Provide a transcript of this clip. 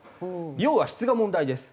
要は質が問題です。